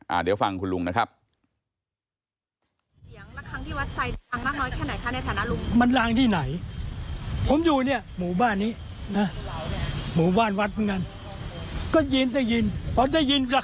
เดี๋ยวฟังคุณลุงนะครับ